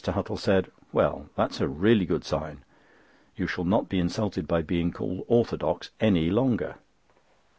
Huttle said: "Well, that's a real good sign; you shall not be insulted by being called orthodox any longer."